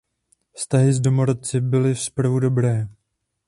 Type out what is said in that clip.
Vztahy s domorodci byly zprvu dobré.